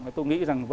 thì tôi nghĩ rằng